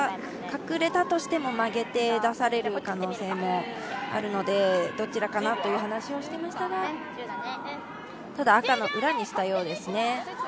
隠れたとしても曲げて出される可能性もあるのでどちらかなという話をしてましたら、ただ、赤の裏にしたようですね。